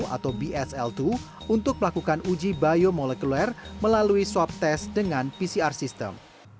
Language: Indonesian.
atau bsl dua untuk melakukan uji biomolekuler melalui swab test dengan pcr system